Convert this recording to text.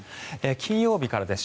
金曜日からです。